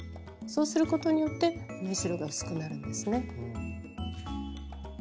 そうすることによって縫い代が薄くなるんですね。